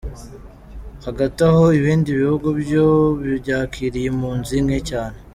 Hagati aho ibindi bihugu byo byakiriye impunzi nke cyane.